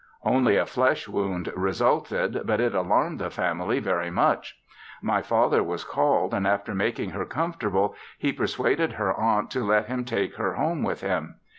Only a flesh wound resulted, but it alarmed the family very much. My father was called and after making her comfortable he persuaded her aunt to let him take her home with him.